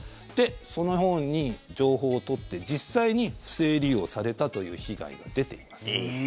そのように情報を取って実際に不正利用されたという被害は出ています。